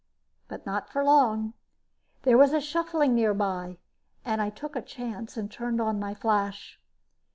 But not for long there was a shuffling nearby and I took a chance and turned on my flash.